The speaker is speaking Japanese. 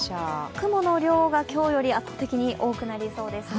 雲の量が今日より圧倒的に多くなりそうですね。